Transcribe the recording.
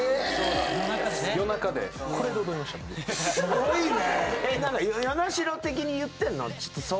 すごいね。